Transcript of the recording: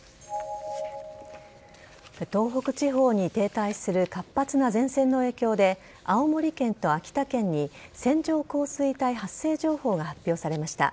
東北地方に停滞する活発な前線の影響で青森県と秋田県に線状降水帯発生情報が発表されました。